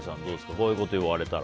こういうこと言われたら。